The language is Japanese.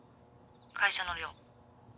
会社の寮。